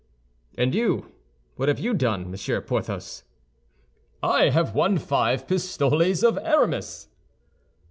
"And you, what have you done, Monsieur Porthos?" "I have won five pistoles of Aramis."